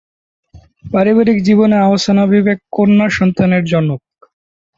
পারিবারিক জীবনে আহসান হাবীব এক কন্যা সন্তানের জনক।